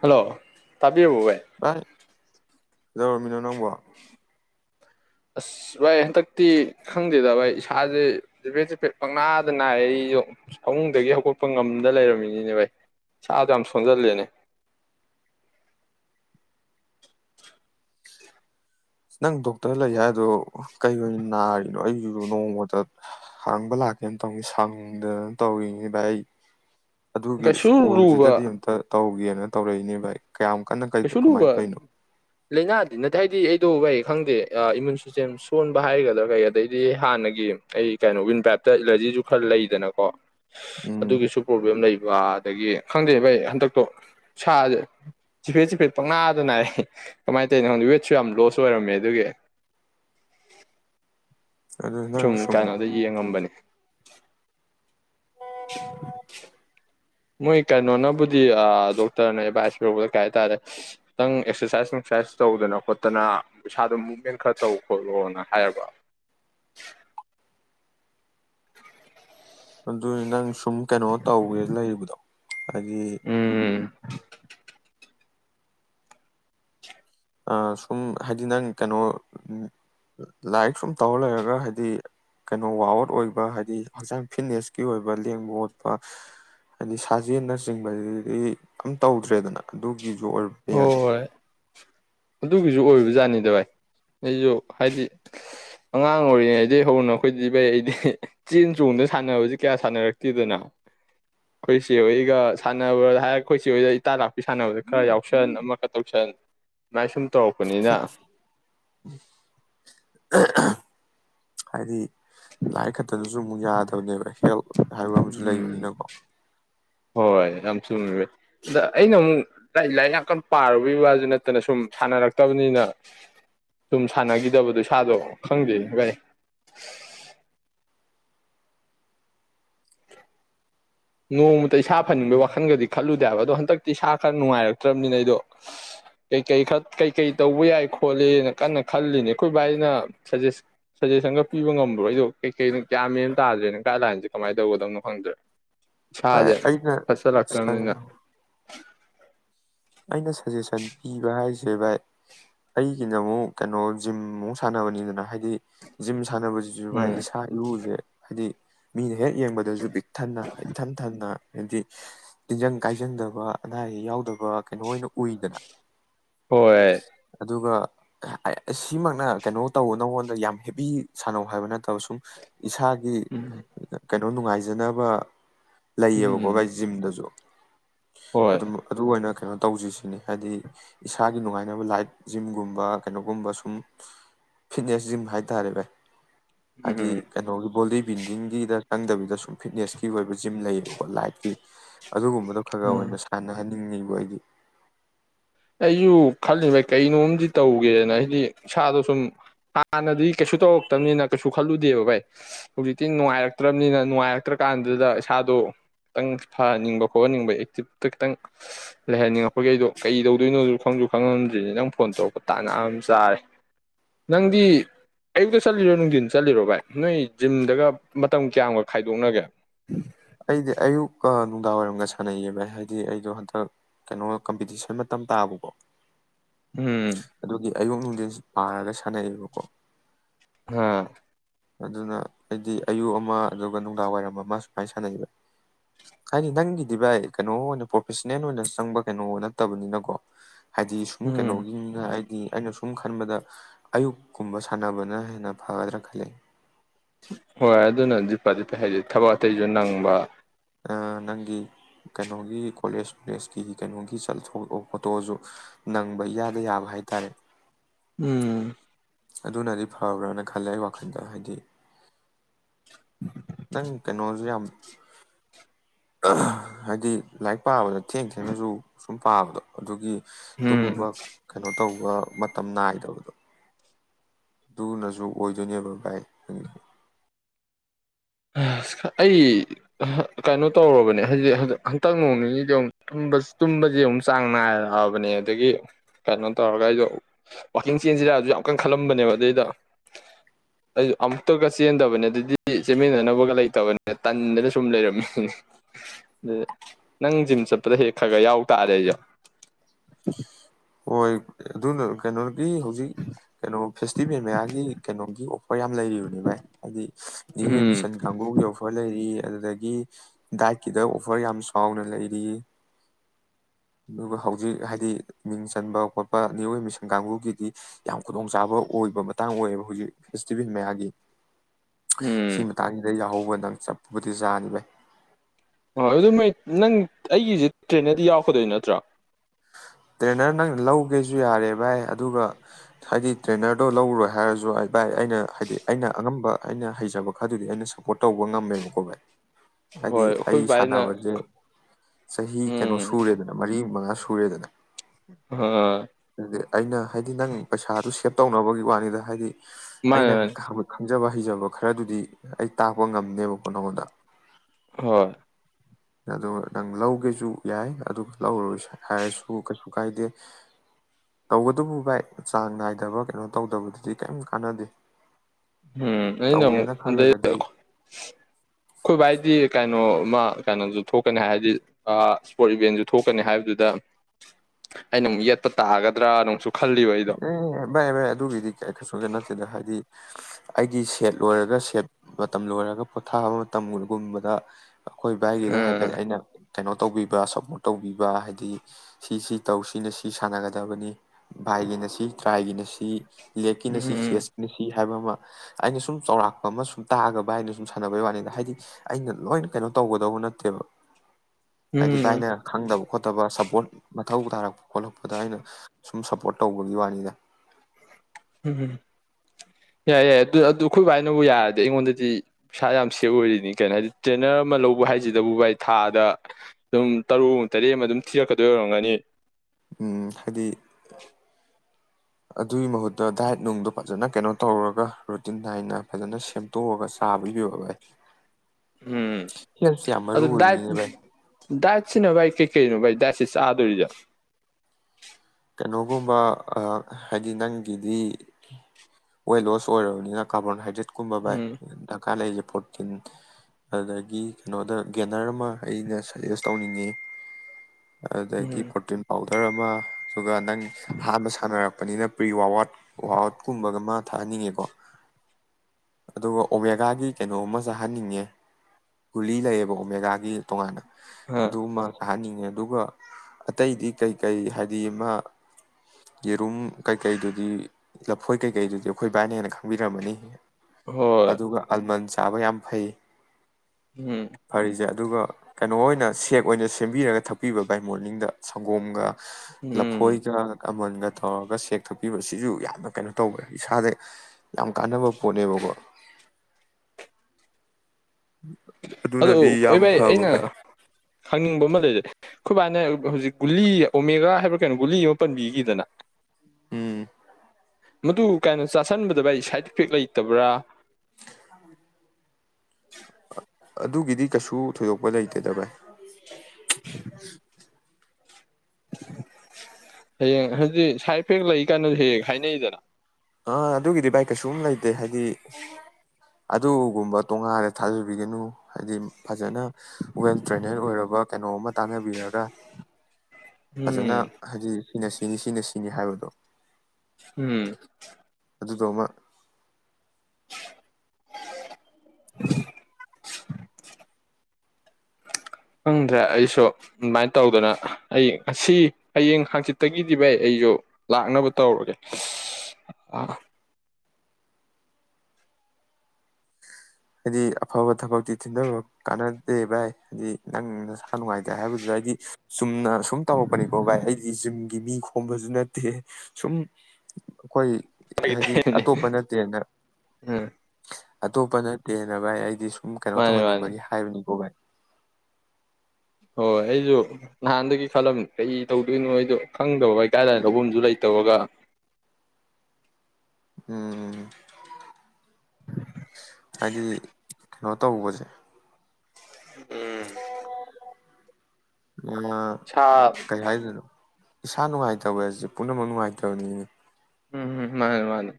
hello ꯇ ꯀꯃꯣꯕꯥꯥꯏ ꯌꯧꯔꯝꯃꯤꯅꯣ ꯅꯪꯕ ꯑꯁ ꯚꯥꯏ ꯍꯟꯗꯛꯇꯤ ꯈꯪꯗꯦꯗ ꯚꯥꯏ ꯏꯁꯥꯁꯦ ꯆꯤꯐꯦꯠ ꯆꯤꯐꯦꯠ ꯄꯪꯅꯥꯗ ꯅꯥꯏꯌꯦ ꯑꯩꯁꯨ ꯐꯃꯨꯡꯗꯒꯤ ꯍꯧꯒꯠꯄ ꯉꯝꯗ ꯂꯩꯔꯝꯃꯤꯅꯤꯅꯦ ꯚꯥꯏ ꯏꯁꯥꯗꯣ ꯌꯥꯝ ꯁꯣꯟꯖꯜꯂꯦꯅꯦ ꯅꯪ ꯗꯣꯛꯇꯔ ꯂꯩ ꯍꯥꯏꯗꯣ ꯀꯩ ꯑꯣꯏꯅ ꯅꯥꯔꯤꯅꯣ ꯑꯩꯒꯤꯁꯨ ꯅꯣꯡꯃꯗ ꯍꯥꯡꯕ ꯂꯥꯛꯀꯦꯅ ꯇꯧꯅꯤ ꯁꯪꯗꯗꯅ ꯇꯧꯔꯤꯅꯤꯩ ꯚꯥꯏ ꯑꯩ ꯑꯗꯨꯒꯤ ꯀꯩꯁꯨ ꯂꯨꯕ ꯁ꯭ꯀꯨꯜꯁꯤꯗꯗꯤ ꯑꯝꯇ ꯇꯧꯒꯦ ꯐꯖꯅ ꯇꯧꯔꯛꯏꯅꯦ ꯕꯥꯏ ꯀꯩꯁꯨ ꯂꯨꯕ ꯂꯥꯏꯅꯥꯗꯤ ꯅꯠꯇꯗꯤ ꯑꯩꯗꯣ ꯕꯥꯏ ꯈꯪꯗꯦ ꯏꯃꯨꯟ ꯁꯤꯁꯇꯦꯝ ꯁꯣꯟꯕ ꯍꯥꯏꯒꯗ꯭ꯔꯥ ꯀꯩ ꯑꯗꯩꯗꯤ ꯍꯥꯟꯅꯒꯤ ꯑꯩ ꯀꯩꯅꯣ ꯋꯤꯟ ꯄꯥꯏꯞꯇ ꯑꯦꯂꯔꯖꯤꯁꯨ ꯈꯔ ꯂꯩꯗꯅꯀꯣ ꯎꯝ ꯑꯗꯨꯒꯤꯁꯨ ꯄ꯭ꯔꯣꯕ꯭ꯂꯦꯝ ꯂꯩꯕ ꯑꯗꯨꯒ ꯑꯗꯒꯤ ꯈꯪꯗꯩꯕꯩ ꯍꯟꯗꯛꯇꯣ ꯁꯥꯁꯦ ꯆꯤꯐꯦꯠ ꯆꯤꯐꯦꯠ ꯄꯪꯅꯥꯗꯅꯅꯥꯔꯛꯦ ꯀꯃꯥꯏꯅ ꯇꯧꯔꯤꯅꯤꯣꯪꯗ ꯋꯦꯠꯁꯨ ꯌꯥꯝ ꯂꯣꯁ ꯑꯣꯏꯔꯝꯃꯦ ꯑꯗꯨꯒꯤ ꯑꯗꯨ ꯅꯪ ꯁꯨꯝ ꯀꯥꯏꯩꯅꯣꯗ ꯌꯦꯡꯉꯝꯕꯅꯤ [inaudible] ꯃꯣꯏ ꯀꯩꯅꯣꯅꯕꯨꯗꯤ ꯗꯣꯛꯇꯔꯅ ꯑꯦꯗꯚꯥꯏꯁ ꯄꯤꯔꯛꯧꯕꯗ ꯀꯩ ꯍꯥꯏ ꯇꯥꯔꯦ ꯈꯤꯇꯪ ꯑꯦꯛꯁꯔꯁꯥꯏꯁ ꯪꯁꯔꯁꯥꯏꯁ ꯇꯧꯗꯅ ꯈꯣꯠꯇꯅ ꯏꯁꯥꯗ ꯃꯨꯚꯃꯦꯟ ꯈꯔ ꯇꯧ ꯈꯣꯠꯂꯣꯅ ꯍꯥꯏꯔꯕ [inaudible] ꯑꯗꯨ ꯅꯪ ꯁꯨꯝ ꯀꯩꯅꯣ ꯇꯧꯋꯦ ꯂꯩꯕꯗꯣ ꯐꯗꯒꯤ [inaudible] ꯁꯨꯝ ꯍꯥꯏꯗꯤ ꯅꯪ ꯀꯩꯅꯣ ꯂꯥꯏꯔꯤꯛ ꯁꯨꯝ ꯇꯧꯔ ꯂꯩꯔꯒ ꯍꯥꯏꯗꯤ ꯀꯩꯅꯣ ꯋꯥꯋꯠ ꯑꯣꯏꯕ ꯍꯥꯏꯗꯤ ꯍꯛꯆꯥꯡ ꯐꯤꯠꯅꯦꯁꯀꯤ ꯑꯣꯏꯕ ꯂꯦꯡꯕ ꯑꯣꯣꯠꯄ ꯍꯥꯏꯗꯤ ꯁꯥꯖꯦꯟꯅꯆꯤꯡꯕꯗꯤ ꯑꯝ ꯇꯧꯗ꯭ꯔꯦꯗꯅ ꯑꯗꯨꯒꯤ ꯒꯤ ꯖꯔꯕ ꯍꯣꯏ ꯌꯥꯏ ꯍꯣꯏ ꯑꯗꯨꯒꯤꯁꯨ ꯑꯣꯏꯕꯖꯥꯠꯅꯤꯗ ꯚꯥꯏ ꯑꯩꯁꯨ ꯍꯥꯏꯗꯤ ꯑꯉꯥꯡ ꯑꯣꯏꯔꯤꯉꯩꯗꯒꯤꯩ ꯍꯧꯅ ꯑꯩꯈꯣꯏꯗꯤ ꯚꯩ ꯑꯩꯗꯤ ꯆꯦꯟ ꯆꯣꯡꯗ ꯁꯥꯟꯅꯕꯁꯤ ꯀꯌꯥ ꯁꯥꯟꯅꯔꯛꯇꯦꯗꯅ ꯑꯩꯈꯣꯏꯁꯤꯦ ꯑꯩꯒ ꯁꯥꯟꯅꯕ ꯍꯥꯏꯔ ꯑꯩꯈꯣꯏꯁꯤꯦ ꯑꯩꯗ ꯏꯇ ꯂꯥꯛꯄꯤ ꯁꯥꯟꯅꯕꯗ ꯈꯔ ꯌꯥꯎ ꯇꯁꯟ ꯑꯃꯈ ꯇꯧꯁꯟ ꯃꯥ ꯁꯨꯝ ꯇꯧꯔꯛꯄꯅꯤꯅ ꯍꯥꯏꯗꯤ ꯂꯥꯏꯔꯤ ꯈꯛꯇꯗꯁꯨ ꯑꯃꯨꯛ ꯌꯥꯗꯕꯅꯦꯕ ꯍꯦꯜ ꯍꯥꯏꯕ ꯑꯃꯁꯨ ꯎꯝ ꯂꯩꯕꯅꯤꯅꯀꯣ ꯍꯣꯏ ꯌꯥꯝ ꯆꯨꯝꯃꯦꯕ ꯑꯗ ꯑꯩꯅ ꯑꯃꯨꯛ ꯂꯥꯏꯔꯤꯛ ꯂꯥꯏꯔꯤꯛ ꯌꯥꯝ ꯀꯟꯅ ꯄꯥꯔꯨꯕꯒꯤ ꯋꯥꯁꯨ ꯅꯠꯇꯅ ꯁꯨꯝ ꯁꯥꯟꯅꯔꯛꯇꯕꯅꯤꯅ ꯁꯨꯝ ꯁꯥꯟꯅꯈꯤꯗꯕꯗꯣ ꯏꯁꯥꯗꯣ ꯈꯪꯗꯦ ꯀꯩ ꯅꯣꯡꯃꯇ ꯏꯁꯥ ꯐꯅꯤꯡꯕꯩ ꯋꯥꯈꯟꯒꯗꯤ ꯈꯜꯂꯨꯗꯦ ꯍꯥꯏꯕ ꯑꯗꯣ ꯍꯟꯗꯛꯇꯤ ꯏꯁꯥ ꯈꯔ ꯅꯨꯡꯉꯥꯏꯔꯛꯇ꯭ꯔꯕꯅꯤꯅ ꯑꯩꯗꯣ ꯀꯩꯀꯩ ꯈꯔ ꯀꯩꯀꯩ ꯇꯧꯕ ꯌꯥꯏ ꯈꯣꯠꯂꯤꯦꯅ ꯀꯟꯅ ꯈꯜꯂꯤꯅꯦ ꯑꯩꯈꯣꯏ ꯚꯥꯏꯅ ꯁꯖꯦꯁ ꯁꯖꯦꯁꯟꯒꯔ ꯄꯤꯕ ꯉꯝꯕ꯭ꯔꯣ ꯑꯩꯗꯣ ꯀꯩꯀꯩꯅ ꯀ꯭ ꯃꯦꯝ ꯇꯥꯗ꯭ꯔꯦꯅ ꯒꯥꯏꯗꯂꯥꯏꯟꯁꯦ ꯀꯃꯥꯏꯅ ꯇꯧꯒꯗꯕꯅꯣ ꯍꯪꯗ꯭ꯔꯦ ꯚꯥꯏ ꯁꯥꯖ ꯑꯩꯅ ꯐꯁꯥꯛꯀꯅꯤꯅ ꯑꯩꯅ ꯁꯖꯦꯁꯟ ꯄꯤꯕ ꯍꯥꯏꯁꯤ ꯦ ꯚꯥꯏ ꯑꯩꯒꯤꯅ ꯑꯃꯨꯛ ꯀꯩꯅꯣ ꯖꯤꯝ ꯑꯃꯨꯛ ꯁꯥꯟꯅꯕꯅꯤꯗꯅ ꯍꯥꯏ ꯍꯥꯏꯗꯤ ꯖꯤꯝ ꯁꯥꯟꯅꯕꯁꯤꯁꯨ ꯚꯥꯏ ꯎꯝ ꯏꯁꯥ ꯏꯎꯁꯦ ꯍꯥꯏꯗꯤ ꯃꯤꯅ ꯍꯦꯛ ꯌꯦꯡꯕꯗꯁꯨ ꯄꯤꯛ ꯊꯟꯅ ꯏꯊꯟ ꯊꯟꯅ ꯍꯥꯏꯕꯗꯤ ꯇꯤꯟꯖꯪ ꯀꯥꯏꯖꯪꯗꯕ ꯑꯅꯥ ꯑꯌꯦꯛ ꯌꯥꯎꯗꯕ ꯀꯩꯅꯣ ꯑꯣꯏꯅ ꯎꯏꯗꯅ ꯍꯣꯏ ꯑꯗꯨꯒ ꯁꯤꯃꯛꯅ ꯀꯩꯅꯣ ꯇꯧꯕ ꯅꯪꯉꯣꯟꯗ ꯌꯥꯝ ꯍꯦꯕꯤ ꯁꯥꯟꯅꯧ ꯍꯥꯏꯕ ꯅꯠꯇꯕ ꯁꯨꯝ ꯏꯁꯥꯒꯤ ꯎꯝ ꯑꯗꯨ ꯅꯨꯡꯉꯥꯏꯖꯅꯕ ꯂꯩꯌꯦꯕꯀꯣ ꯎꯝ ꯚꯥꯏ ꯖꯤꯝꯗꯁꯨ ꯍꯣꯏ ꯑꯗꯨꯝ ꯑꯗꯨ ꯑꯣꯏꯅ ꯇꯧꯁꯤ꯭ꯁꯤꯅꯤ ꯍꯥꯏꯗꯤ ꯏꯁꯥꯒꯤ ꯅꯨꯡꯉꯥꯏꯅꯕ ꯂꯥꯏꯠ ꯖꯤꯝꯒꯨꯝꯕ ꯀꯩꯅꯣꯒꯨꯝꯕ ꯁꯨꯝ ꯐꯤꯠꯅꯦꯁ ꯖꯤꯝ ꯍꯥꯏꯇꯥꯔꯦ ꯚꯥꯏ ꯎꯝ ꯍꯥꯏꯗꯤ ꯀꯩꯅꯣꯒꯤ ꯣꯗꯤꯕꯤꯟꯖꯤꯡꯒꯤꯗ ꯆꯪꯗꯕꯤꯗ ꯁꯨꯝ ꯐꯤꯠꯅꯦꯁꯀꯤ ꯑꯣꯏꯕ ꯖꯤꯝ ꯂꯩꯌꯦꯕꯀꯣ ꯂꯥꯏꯠꯀꯤ ꯑꯗꯨꯒꯨꯝꯕꯗꯣ ꯈꯔ ꯎꯝ ꯑꯣꯏꯅ ꯁꯥꯟꯅꯍꯟ ꯕꯨ ꯑꯩꯗꯤ ꯑꯩꯁꯨ ꯈꯜꯂꯤꯕꯩ ꯀꯩꯅꯣꯝꯗꯤ ꯇꯧꯒꯦꯅ ꯍꯥꯏꯗꯤ ꯏꯁꯥꯗꯣ ꯁꯨꯝ ꯍꯥꯟꯅꯗꯤ ꯀꯩꯁꯨ ꯇꯧꯔꯛꯇꯕꯅꯤꯅ ꯀꯩꯁꯨ ꯈꯜꯂꯨꯗꯦꯕ ꯚꯥꯏ ꯍꯧꯖꯤꯛꯇꯤ ꯅꯨꯡꯉꯥꯏꯔꯛꯇ꯭ꯔꯕꯅꯤꯅ ꯅꯨꯡꯉꯥꯏꯔꯛꯇ꯭ꯔꯀꯥꯟꯗꯨꯗ ꯏꯁꯥꯗꯣ ꯈꯤꯇꯪ ꯐꯍꯟꯅꯤꯡꯕ ꯈꯣꯠꯍꯟꯅꯤꯡꯕ ꯑꯦꯛꯇꯤꯞꯇ ꯈꯤꯇꯪ ꯂꯩꯍꯟꯅꯤꯡꯉꯛꯄꯈꯩꯗꯣ ꯀꯩꯗ ꯑꯗꯨꯏꯅꯣꯁꯨ ꯈꯪꯁꯨ ꯈꯪꯉꯝꯗ꯭ꯔꯤꯅꯦ ꯅꯪ ꯐꯣꯟ ꯇꯧꯔꯛꯄ ꯇꯥꯅꯝ ꯆꯥꯔꯦ ꯅꯪꯗꯤ ꯑꯌꯨꯛꯇ ꯆꯠꯂꯤꯔꯣ ꯅꯨꯡꯊꯤꯟ ꯆꯠꯂꯤꯔꯣ ꯚꯥꯏ ꯅꯣꯏ ꯖꯤꯝꯗꯒ ꯃꯇꯝ ꯀꯌꯥꯃꯨꯛ ꯈꯥꯏꯗꯣꯛꯅꯒꯦ ꯑꯩꯗꯤꯦ ꯑꯌꯨ ꯀ ꯅꯨꯡꯗꯥꯡ ꯋꯥꯏꯔꯝꯒ ꯁꯥꯟꯅꯩꯌꯦꯕ ꯍꯥꯏꯗꯤ ꯑꯩꯗꯣ ꯍꯟꯗꯛ ꯀꯩꯅꯣ ꯀꯝꯄꯤꯇꯤꯁꯟ ꯃꯇꯝ ꯇꯥꯕꯀꯣ ꯎꯝ ꯑꯗꯨꯒꯤ ꯑꯌꯨꯛ ꯅꯨꯡꯊꯤꯟ ꯄꯥꯔꯒ ꯈꯥꯟ ꯌꯦꯔꯤꯕꯀꯣ ꯑꯝ ꯑꯗꯨꯅ ꯍꯥꯏꯗꯤ ꯑꯌꯨꯛ ꯑꯃ ꯑꯗꯨꯒ ꯅꯨꯡꯗꯥꯡ ꯋꯥꯏꯔꯝ ꯑꯃ ꯁꯨꯃꯥꯏꯅ ꯁꯥꯟꯅꯩꯕ ꯍꯥꯏꯗꯤ ꯅꯪꯒꯤꯗꯤ ꯚꯥꯏ ꯀꯩꯅꯣ ꯑꯣꯏꯅ ꯄ꯭ꯔꯣꯐꯦꯁꯟꯅꯦꯜ ꯑꯣꯏꯅ ꯆꯪꯕ ꯀꯩꯅꯣ ꯅꯠꯇꯕꯅꯤꯅꯀꯣ ꯍꯥꯏꯗꯤ ꯁꯨꯝ ꯎꯝ ꯀꯩꯅꯣꯒꯤꯅ ꯍꯥꯏꯗꯤ ꯑꯩꯅ ꯁꯨꯝ ꯁꯨꯝ ꯈꯟꯕꯗ ꯑꯌꯨꯛꯀꯨꯝꯕ ꯁꯥꯟꯅꯕꯅ ꯍꯦꯟꯅ ꯐꯒꯗ꯭ꯔꯥ ꯈꯜꯜꯂꯤ ꯍꯣꯏ ꯑꯗꯨꯅ ꯗꯤꯄꯄ ꯍꯥꯏꯗꯤ ꯊꯕꯛ ꯑꯇꯩꯁꯨ ꯅꯪꯕ ꯅꯪꯒꯤ ꯀꯩꯅꯣꯒꯤ ꯀꯣꯂꯦꯖ ꯀꯣꯂꯦꯖꯀꯤ ꯀꯩꯅꯣꯒꯤ ꯆꯠꯊ ꯐꯣꯇꯣꯁꯨ ꯅꯪꯕ ꯌꯥꯗ ꯌꯥꯕ ꯍꯥꯏ ꯇꯔꯦ ꯎꯝ ꯑꯗꯨꯅꯗꯤ ꯐꯕ꯭ꯔꯥꯅ ꯈꯜꯂꯦ ꯑꯩ ꯋꯥꯈꯜꯗ ꯍꯥꯏꯗꯤ [unintelligible] ꯅꯪ ꯀꯩꯅꯣꯁꯨ ꯌꯥꯝ ꯍꯥꯏꯗꯤ ꯂꯥꯏꯔꯤꯛ ꯄꯥꯕꯗ ꯊꯦꯡ ꯊꯅꯁꯨ ꯁꯨꯝ ꯄꯥꯕꯗꯣ ꯑꯗꯨꯒꯤ ꯎꯝ ꯇꯝꯕ ꯀꯩꯅꯣ ꯇꯧꯕ ꯃꯇꯝ ꯅꯥꯏꯗꯕꯗꯣ ꯇꯗꯨꯅꯁꯨ ꯑꯣꯏꯗꯣꯏꯅꯦꯕ ꯚꯥꯏꯪ ꯑꯩ ꯀꯩꯅꯣ ꯇꯧꯔꯕꯅꯦ ꯍꯥꯏꯖꯤꯛ ꯍꯟꯇꯛ ꯅꯣꯡ ꯅꯤꯩꯗ ꯑꯃꯨꯛ ꯇꯨꯝꯁꯦ ꯑꯃꯨꯛ ꯆꯥꯡ ꯅꯥꯏꯔꯛꯑꯕꯅꯦ ꯑꯗꯒꯤ ꯀꯩꯅꯣ ꯇꯧꯔꯒ ꯑꯩꯗꯣ ꯋꯥꯛꯀꯤꯡ ꯆꯦꯟꯁꯤꯔ ꯑꯗꯨꯁꯨ ꯌꯥꯝ ꯀꯟ ꯈꯜꯂꯝꯕꯅꯦꯕ ꯑꯗꯨꯗꯏꯗ ꯑꯩꯁꯨ ꯑꯃꯨꯛꯇꯒ ꯆꯦꯟꯗꯕꯅꯦ ꯑꯗꯨꯏꯗꯤ ꯆꯦꯟꯃꯤꯟꯅꯅꯕꯒ ꯂꯩꯇꯕꯅꯤꯅ ꯇꯟꯗꯅ ꯁꯨꯝ ꯂꯩꯔꯝꯃꯤ ꯑꯗꯨ ꯅꯪ ꯖꯤꯝ ꯆꯠꯄꯗ ꯍꯦꯛ ꯈꯔ ꯈꯔ ꯌꯥꯎ ꯇꯥꯔꯦ ꯑꯩꯁꯨ ꯍꯣꯏ ꯑꯗꯨꯅ ꯀꯩꯅꯣ ꯒꯤ ꯍꯧꯖꯤꯛ ꯀꯩꯅꯣ ꯐꯦꯁꯇꯤꯚꯦꯜ ꯃꯌꯥꯒꯤ ꯀꯩꯅꯣꯒꯤ ꯑꯣꯐꯔ ꯌꯥꯝ ꯂꯩꯔꯤꯕꯅꯤ ꯚꯥꯏ ꯍꯥꯏꯗꯤ ꯅꯅꯤꯌꯨ ꯑꯦ ꯎꯝ ꯃꯤꯁꯟ ꯀꯥꯡꯕꯨꯒꯤ ꯑꯣꯐꯔ ꯂꯩꯔꯤ ꯑꯗꯨꯗꯒꯤ ꯗꯥꯏꯠꯀꯤꯗ ꯑꯣꯐꯔ ꯌꯥꯝ ꯆꯥꯎꯅ ꯂꯩꯔꯤ ꯑꯗꯨꯒ ꯍꯧꯖꯤꯛ ꯍꯥꯏꯗꯤ ꯃꯤꯡ ꯆꯟꯕ ꯈꯣꯠꯄ ꯃꯤꯑꯣꯏꯕ ꯃꯤꯁꯪ ꯀꯥꯡꯕꯨꯨꯒꯤꯗꯤ ꯌꯥꯝ ꯈꯨꯗꯣꯡꯆꯥꯥꯕ ꯑꯣꯏꯕ ꯃꯇꯥꯡ ꯑꯣꯏꯌꯦꯕ ꯍꯧꯖꯤꯛ ꯐꯦꯁꯇꯤꯚꯦꯜ ꯃꯌꯥꯒꯤ ꯁꯤ ꯎꯝ ꯃꯇꯥꯡꯁꯤꯗ ꯌꯥꯎꯍꯧꯕ ꯑꯗꯨꯒ ꯅꯪ ꯆꯠꯄꯨꯕꯨꯗꯤ ꯌꯥꯥꯅꯤ ꯚꯩ ꯑꯣꯏ ꯑꯗꯨ ꯅꯪ ꯑꯩꯒꯤꯁꯤ ꯇ꯭ꯔꯦꯗꯗꯤ ꯌꯥꯎꯀꯗꯣꯏ ꯅꯠꯇ꯭ꯔꯥ ꯇ꯭ꯔꯦꯅꯔ ꯅꯪ ꯂꯧ ꯀꯩꯁꯨ ꯌꯥꯔꯦ ꯚꯥꯏ ꯑꯗꯨꯒ ꯍꯥꯏꯗꯤ ꯇ꯭ꯔꯦꯅꯔꯗꯣ ꯂꯧꯔꯣꯏ ꯍꯥꯏꯔꯁꯨ ꯕꯥꯏ ꯑꯩꯅ ꯍꯥꯏꯗꯤ ꯑꯩꯅ ꯑꯉꯝꯕ ꯑꯩꯅ ꯍꯩꯖꯕ ꯈꯔꯗꯨꯗꯤ ꯑꯩꯅ ꯁꯞꯄꯣꯔꯠ ꯇꯧꯕ ꯉꯝꯃꯦꯕꯀꯣ ꯚꯥꯏ ꯍꯥꯏꯗꯤ ꯍꯣꯏ ꯑꯩ ꯑꯩꯈꯣꯏ ꯚꯥꯏꯅ ꯁꯥꯟꯅꯕꯁꯦ ꯆꯍꯤ ꯀꯩꯅꯣ ꯎꯝ ꯁꯨꯔꯦꯗꯅ ꯃꯔꯤ ꯃꯉꯥ ꯁꯨꯔꯦꯗꯅ ꯍꯣꯏ ꯍꯥꯏꯗꯤ ꯑꯩꯅ ꯍꯥꯏꯗꯤ ꯅꯪ ꯄꯩꯁꯥꯗꯨ ꯁꯦ ꯇꯧꯅꯕꯒꯤ ꯋꯥꯅꯤꯗ ꯍꯥꯏꯗꯤ ꯃꯥꯅꯦ ꯑꯩꯅ ꯃꯥꯅꯦ ꯍꯩꯖꯕ ꯍꯩꯖꯕ ꯈꯔꯗꯨꯗꯤ ꯑꯩ ꯇꯥꯛꯄ ꯉꯝꯅꯦꯕꯀꯣ ꯅꯪꯉꯣꯟꯗ ꯍꯣꯏ ꯑ ꯅꯪ ꯂꯧꯒꯦꯁꯨ ꯌꯥꯏ ꯑꯗꯨꯒ ꯂꯧꯔꯣꯏ ꯍꯥꯏꯔꯁꯨ ꯀꯩꯁꯨ ꯀꯥꯏꯗꯦ ꯇꯧꯕꯇꯕꯨ ꯚꯥꯏ ꯆꯥꯡ ꯅꯥꯏꯗꯕ ꯀꯩꯅꯣ ꯇꯧꯗꯕꯗꯨꯗꯤ ꯀꯩꯝ ꯀꯥꯟꯅꯗꯦ ꯎꯝ ꯑꯩꯅ ꯑꯃꯨꯛ ꯇꯧꯒꯦꯅ ꯑꯗꯩ ꯈꯜꯂꯒꯗꯤ ꯑꯩꯈꯣꯏ ꯚꯏꯗꯤ ꯀꯩꯅꯣꯃ ꯀꯩꯅꯣꯁꯨ ꯊꯣꯛꯀꯅꯤ ꯍꯥꯏꯗꯤ ꯏꯁꯄꯣꯔꯠ ꯏꯚꯦꯟꯁꯨ ꯊꯣꯛꯀꯅꯤ ꯍꯥꯏꯕꯗꯨꯗ ꯑꯩꯅ ꯑꯃꯨꯛ ꯌꯦꯠꯄ ꯇꯥꯒꯗ꯭ꯔꯥ ꯅꯅꯨꯡꯁꯨ ꯑꯦ ꯚꯥꯏ ꯚꯥꯏ ꯑꯗꯨꯒꯤꯗꯤ ꯀꯌꯥ ꯀꯩꯁꯨꯝ ꯈ ꯅꯠꯇꯦꯗ ꯍꯥꯏꯗꯤ ꯑꯩꯒꯤ ꯁꯦꯠ ꯂꯣꯏꯔꯒ ꯁꯦꯠ ꯃꯇꯝ ꯂꯣꯏꯔꯒ ꯄꯣꯊꯥꯕ ꯃꯇꯝꯒꯨꯝꯕꯗ ꯑꯩꯈꯣꯏ ꯚꯏꯒꯤꯗꯣ ꯍꯥꯏꯐꯦꯠ ꯎꯝ ꯑꯩꯅ ꯀꯩꯅꯣ ꯇꯧꯕꯤꯕ ꯁꯞꯄꯣꯔꯠ ꯇꯧꯕꯤꯕ ꯍꯥꯏꯗꯤ ꯁꯤ ꯁꯤ ꯇꯧ ꯁꯤꯅ ꯁꯤ ꯁꯥꯟꯅꯒꯗꯕꯅꯤ ꯚꯥꯏꯒꯤꯅ ꯁꯤ ꯀꯥꯏꯒꯤꯅ ꯁꯤ ꯂꯦꯛꯀꯤꯅ ꯁꯤ ꯎꯝ ꯆꯦꯁꯀꯤꯅ ꯁꯤ ꯍꯥꯏꯕ ꯑꯃ ꯑꯩꯅ ꯁꯨꯝ ꯆꯥꯎꯔꯥꯛꯄ ꯑꯃ ꯁꯨꯝ ꯇꯥꯒꯕ ꯍꯥꯏꯅ ꯁꯨꯝ ꯁꯥꯟꯅꯕꯩ ꯋꯥꯅꯤꯗ ꯍꯥꯏꯗꯤ ꯑꯩꯅ ꯂꯣꯏꯅ ꯀꯩꯅꯣ ꯇꯧꯒꯗꯧꯕ ꯅꯠꯇꯦꯕ ꯍꯥꯏꯗꯤ ꯎꯝ ꯚꯥꯏꯅ ꯈꯪꯗꯕ ꯈꯣꯠꯇꯕ ꯁꯞꯄꯣꯔꯠ ꯃꯊꯧ ꯇꯥꯔꯛꯄ ꯈꯣꯠꯂꯛꯄꯗ ꯑꯩꯅ ꯁꯝ ꯁꯞꯄꯣꯔꯠ ꯇꯧꯕꯒꯤ ꯋꯥꯅꯤꯗ ꯎꯝꯝ ꯌꯥꯏ ꯌꯥꯏ ꯑꯗꯨ ꯑꯗꯨ ꯑꯩꯈꯣꯏ ꯚꯥꯏꯅꯕꯨ ꯌꯥꯔꯗꯤ ꯑꯩꯉꯣꯟꯗꯗꯤ ꯄꯩꯁꯥ ꯌꯥꯝ ꯁꯦꯐ ꯑꯣꯏꯔꯤꯅꯤ ꯀꯩꯅꯣ ꯍꯥꯏꯗꯤ ꯇ꯭ꯔꯦꯅꯔ ꯑꯃ ꯂꯧꯕ ꯍꯥꯏꯁꯤꯗꯕꯨ ꯚꯥꯏ ꯊꯥꯗ ꯑꯗꯨꯝ ꯇꯔꯨꯛ ꯑꯃ ꯇꯔꯦꯠ ꯑꯃ ꯑꯗꯨꯝ ꯊꯤꯔꯛꯀꯗꯣꯏ ꯑꯣꯏꯔꯝꯒꯅꯤ ꯎꯝ ꯍꯥꯏꯗꯤ ꯑꯗꯨꯒꯤ ꯃꯍꯨꯠꯇ ꯗꯥꯏꯠ ꯅꯨꯡꯗꯣ ꯐꯖꯅ ꯀꯩꯅꯣ ꯇꯧꯔꯒ ꯔꯨꯇꯤꯟ ꯅꯥꯏꯅ ꯐꯖꯅ ꯁꯦꯝꯗꯣꯛꯑꯒ ꯆꯥꯕ ꯏꯕꯤꯚꯏ ꯎꯝ ꯑꯗꯨꯣ ꯏ ꯑꯣꯏꯕꯅꯤꯅꯦ ꯚꯥꯏ ꯗꯥꯏꯠꯁꯤꯅ ꯥꯏ ꯀꯩꯀꯩꯅꯣ ꯥꯏ ꯁꯤꯁ ꯁꯥꯗꯔꯤꯖ ꯀꯩꯅꯣꯒꯨꯝꯕ ꯍꯥꯏꯗꯤ ꯅꯪꯒꯤꯗꯤ ꯋꯦꯠ ꯂꯣꯁ ꯑꯣꯏꯔꯕꯅꯤꯅ ꯀꯥꯔꯕꯣꯟꯍꯥꯏꯗ꯭ꯔꯦꯠ ꯀꯨꯝꯕꯕꯥꯏ ꯎꯝ ꯗꯀꯥ ꯂꯩꯖ ꯐꯣꯔꯇꯤꯟ ꯑꯗꯨꯗꯒꯤ ꯀꯩꯅꯣꯗ ꯒꯦꯅꯔ ꯑꯃ ꯑꯩꯅ ꯁꯖꯦꯁ ꯇꯧꯅꯤꯡꯉꯤ ꯑꯗꯒꯤ ꯎꯝ ꯄꯣꯔꯇꯤꯟ ꯄꯥꯎ ꯗꯔꯃ ꯑꯗꯨꯒ ꯅꯪ ꯑꯍꯥꯟꯕ ꯁꯥꯟꯅꯔꯛꯄ ꯀꯄꯅꯤꯅ ꯄ꯭ꯔꯤ ꯋꯥꯛ ꯋꯥꯛ ꯑꯣ ꯀꯨꯝꯕꯒ ꯑꯃ ꯊꯥꯍꯟꯅꯤꯡꯉꯦꯀꯣ ꯑꯗꯨꯒ ꯑꯣꯃꯦꯒꯥꯒꯤ ꯀꯩꯅꯣꯃ ꯆꯥꯍꯟꯅꯤꯡꯉꯦ ꯒꯨꯂꯤ ꯂꯩꯌꯦꯕ ꯑꯣꯃꯦꯒꯥꯒꯤ ꯇꯣꯉꯥꯟꯅ ꯑꯗꯨꯃ ꯇꯥꯍꯟꯅꯤꯡꯉꯦ ꯑꯗꯨꯒ ꯑꯇꯩꯗꯤ ꯀꯩ ꯀꯩ ꯍꯥꯏ ꯗꯤ ꯑꯃ ꯌꯦꯔꯨꯝ ꯀꯩꯀꯩꯗꯨꯗꯤ ꯂꯐꯣꯏ ꯀꯩꯀꯩꯗꯨꯗꯤ ꯑꯩꯈꯣꯏ ꯕꯥꯏꯅ ꯍꯦꯟꯅ ꯈꯪꯕꯤꯔꯝꯃꯅꯤ ꯍꯣꯏ ꯑꯗꯨꯒ ꯑꯜꯃꯟꯁ ꯆꯥꯕ ꯌꯥꯝ ꯐꯩ ꯎꯝ ꯐꯔꯤꯁꯦ ꯑꯗꯨꯒ ꯀꯩꯅꯣ ꯑꯣꯏꯅ ꯁꯦꯦꯛ ꯑꯣꯏꯅ ꯁꯦꯝꯕꯤꯔꯒ ꯊꯛꯄꯤꯕ ꯕꯥꯏ ꯃꯣꯔꯅꯤꯡꯗ ꯁꯪꯒꯣꯝꯒ ꯎꯝ ꯂꯐꯣꯏ ꯆ ꯑꯃꯜꯒ ꯇꯧꯔꯒ ꯁꯦꯛ ꯊꯣꯛꯄꯤꯕ ꯁꯤꯁꯨ ꯌꯥꯝꯅ ꯀꯩꯅꯣ ꯇꯧꯕ ꯏꯁꯥꯗ ꯌꯥꯝ ꯀꯥꯟꯅꯕ ꯄꯣꯠꯅꯦꯕꯀꯣ ꯑꯣ ꯑꯗꯨꯅꯗꯤ ꯌꯥꯝ ꯑꯩꯚꯥꯏ ꯐꯕ ꯑꯩꯅ ꯚꯥꯏ ꯍꯪꯅꯤꯡꯕ ꯑꯃ ꯈꯨꯃꯥꯏꯅ ꯍꯧꯖꯤꯛ ꯒꯨꯂꯤ ꯑꯣꯃꯦꯒꯥ ꯍꯥꯏꯕ꯭ꯔꯥ ꯀꯩꯅꯣ ꯒꯨꯂꯤ ꯑꯃ ꯄꯟꯕꯤꯈꯤꯗꯅ ꯎꯝ ꯃꯗꯨ ꯀꯅꯣ ꯆꯥꯁꯟꯕꯗ ꯚꯥꯏ ꯁꯥꯏꯠ ꯏꯐꯦꯛ ꯂꯩꯇꯕ꯭ꯔꯥ ꯑꯗꯨꯒꯤꯗꯤ ꯀꯩꯁꯨ ꯊꯣꯏꯗꯣꯛꯄ ꯂꯩꯇꯦꯗ ꯚꯥꯏ [unintelligible] ꯍꯌꯦꯡ ꯍꯧꯖꯤꯛ ꯁꯥꯏꯠ ꯏꯐꯦꯛ ꯂꯩꯔꯤ ꯀꯥꯟꯅ ꯍꯌꯦꯡ ꯍꯥꯏꯅꯩꯗꯅ ꯑ ꯑꯗꯨꯒꯤꯗꯤ ꯥꯏ ꯀ ꯁꯨꯝ ꯂꯩꯗꯦ ꯍꯥꯏ ꯍꯥꯏꯗꯤ ꯑꯗꯨꯒꯨꯝꯕ ꯇꯣꯉꯥꯟꯅ ꯊꯥꯖꯕꯤꯒꯅꯨ ꯍꯥꯏꯗꯤ ꯐꯖꯅ ꯋꯦꯜ ꯇ꯭ꯔꯦꯅꯦꯠ ꯑꯣꯏꯔꯕ ꯀꯩꯅꯣꯝ ꯇꯥꯟꯅꯕꯤꯔꯒ ꯐꯖꯅ ꯎꯝ ꯍꯥꯏꯗꯤ ꯁꯤꯅ ꯁꯤꯅꯤ ꯁꯤꯅ ꯁꯤꯅꯤ ꯍꯥꯏꯕꯗꯣ ꯎꯝ ꯑꯗꯨꯗꯣꯃ [unintelligible] [unintelligible] ꯈꯪꯗ꯭ꯔꯦ ꯑꯩꯁꯨ ꯑꯗꯨꯃꯥꯏꯅ ꯇꯧꯗꯅ ꯑꯩ ꯉꯁꯤ ꯍꯌꯦꯡ ꯍꯥꯡꯆꯤꯠꯇꯒꯤꯗꯤ ꯚꯩ ꯑꯩꯁꯨ ꯂꯥꯛꯅꯕ ꯇꯧꯔꯒꯦ ꯍꯥꯏꯗꯤ ꯑꯐꯕ ꯊꯕꯛꯇꯤ ꯊꯤꯟꯊꯕ ꯀꯥꯟꯅꯗꯦ ꯚꯥꯏ ꯍꯥꯏꯗꯤ ꯅꯪ ꯅꯁꯥ ꯅꯨꯡꯉꯥꯏꯇ ꯍꯥꯏꯕꯗꯨꯗ ꯍꯥꯏꯗꯤ ꯆꯨꯝꯅ ꯁꯨꯝ ꯇꯧꯔꯛꯄꯅꯤꯀꯣ ꯚꯥꯏ ꯑꯩꯗꯤ ꯖꯤꯝꯒꯤ ꯃꯤ ꯈꯣꯝꯕꯁꯨ ꯅꯠꯇꯦ ꯁꯨꯝ ꯑꯩꯈꯣꯏ ꯍꯥꯏꯗꯤ ꯇꯅꯦ ꯑꯇꯣꯞꯄ ꯅꯠꯇꯦꯅ ꯎꯝ ꯑꯇꯣꯞꯄꯅ ꯇꯦꯟꯅ ꯚꯥꯏ ꯑꯩꯗꯤ ꯀꯩꯅꯣ ꯃꯥꯅꯦ ꯃꯥꯅꯦ ꯇꯧꯍꯟꯅꯤꯡꯕꯒꯤ ꯍꯥꯏꯕꯅꯤꯀꯣ ꯚꯥꯏ ꯍꯣꯏ ꯑꯩꯁꯨ ꯅꯍꯥꯟꯗꯒꯤ ꯈꯜꯂꯝ ꯀꯩ ꯇꯧꯗꯣꯏꯅꯣ ꯑꯩꯗꯣ ꯈꯪꯗꯕ ꯑꯩ ꯀꯥꯏꯗꯥꯏꯅ ꯑꯍꯨꯝꯁꯨ ꯂꯩꯇꯕꯒ ꯎꯝ ꯍꯥꯏꯗꯤ ꯀꯩꯅꯣ ꯇꯧꯕꯁꯦ ꯑ ꯏꯁꯥ ꯀꯩ ꯍꯥꯏꯗꯣꯏꯅꯣ ꯏꯁꯥ ꯅꯨꯡꯉꯥꯏꯇꯕ ꯍꯥꯏ ꯑꯁꯤ ꯄꯨꯝꯅꯃꯛ ꯅꯨꯡꯉꯥꯏꯇꯕꯅꯤꯅꯦ ꯎꯝꯝ ꯃꯥꯅꯦ ꯃꯥꯅꯦ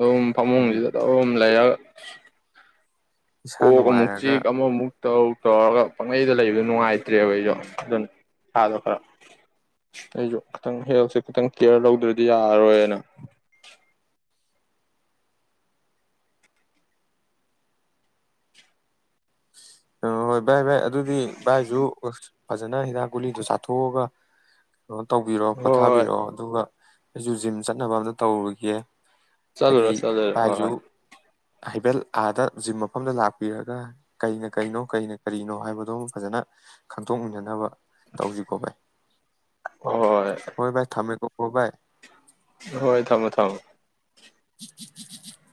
ꯑꯨꯝ ꯍꯥꯏꯗꯤ ꯐꯃꯨꯡꯁꯤꯗ ꯇꯧꯔꯨꯝ ꯂꯩꯔꯒ [unintelligible] ꯏꯁꯥ ꯀꯣ ꯀꯣ ꯃꯨꯛꯁꯤ ꯅꯨꯡꯉꯥꯏꯔꯒ ꯀꯃ ꯇꯧ ꯇꯧꯔꯒ ꯄꯪꯒꯩꯗ ꯂꯩꯕꯗꯣ ꯅꯨꯡꯉꯥꯏꯇ꯭ꯔꯦꯕ ꯑꯩꯁꯨꯣ ꯑꯗꯨꯅ ꯏꯁꯥꯗꯣ ꯈꯔ ꯑꯩꯁꯨ ꯈꯤꯇꯪ ꯍꯦꯜꯊꯁꯦ ꯈꯤꯇꯪ ꯀꯦꯌꯔ ꯂꯧꯗ꯭ꯔꯗꯤ ꯌꯥꯔꯔꯣꯏꯅ ꯑ ꯍꯣꯏ ꯚꯥꯏ ꯚꯥꯏ ꯑꯗꯨꯗꯤ ꯚꯥꯏꯁꯨ ꯐꯖꯅ ꯍꯤꯗꯥꯛ ꯒꯨꯂꯤꯗꯨꯣ ꯆꯥꯊꯣꯛꯑꯒ ꯀꯩꯅꯣ ꯇꯧꯕꯤꯔꯣ ꯍꯣꯏ ꯍꯣꯏ ꯄꯣꯊꯥꯕꯤꯔꯛꯣ ꯑꯗꯨꯒ ꯑꯩꯁꯨ ꯖꯤꯝ ꯆꯠꯅꯕ ꯑꯝꯇ ꯇꯧꯔꯨꯒꯦ ꯆꯂ ꯔ ꯆꯂ ꯍꯣꯏ ꯍꯣꯏ ꯍꯥꯏꯐꯦꯠ ꯑꯥꯗ ꯖꯤꯝ ꯃꯐꯝꯗ ꯂꯥꯛꯄꯤꯔꯒ ꯀꯅ ꯀꯔꯤꯅꯣ ꯀꯔꯤꯅ ꯀꯔꯤꯅꯣ ꯍꯥꯏꯕꯗꯣ ꯐꯖꯅ ꯈꯟꯗꯣꯛꯃꯤꯟꯅꯅꯕ ꯇꯧꯁꯤꯀꯣ ꯚꯥꯏ ꯍꯣꯏ ꯚꯥꯏ ꯊꯝꯃꯦ ꯀꯀꯣꯕꯥꯏ ꯍꯣꯏ ꯊꯝꯃꯣ ꯊꯝꯃꯣ ꯎ ꯎ ꯎ ꯎ ꯎ